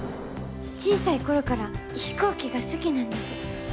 小さい頃から飛行機が好きなんです。